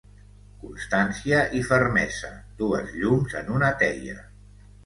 Constància i fermesa, dues llums en una teia.